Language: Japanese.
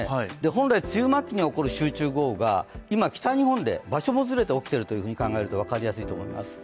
本来、梅雨末期に起こる集中豪雨が今、北日本で場所もずれて起きていると考えると分かると思います。